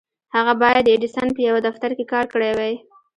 هغه بايد د ايډېسن په يوه دفتر کې کار کړی وای.